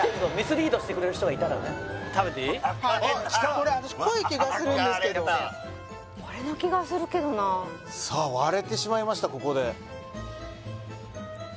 これ私濃い気がするんですけどこれの気がするけどなさあ割れてしまいました